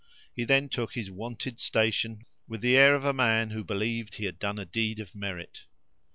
He then took his wonted station, with the air of a man who believed he had done a deed of merit.